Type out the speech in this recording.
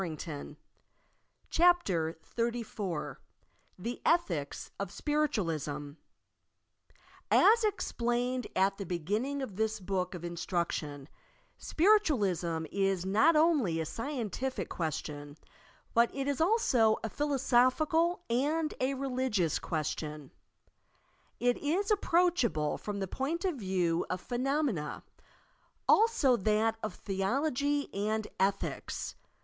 i I CHAPTER XXXIV THE ETHICS OF SPIRITUALISM As explaioed at the beginning of this Book of Instruc tion, SpiritualiBtii is not only a scientific question, but it is also a philosophical and a religious question. It is approachable from the point of view of phenomena; also that of theology and ethics.